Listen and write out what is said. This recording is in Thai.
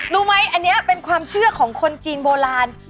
รู้ไหมอันนี้เป็นความเชื่อของคนจีนโบราณ